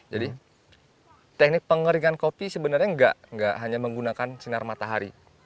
jadi teknik pengeringan kopi sebenarnya enggak hanya menggunakan sinar matahari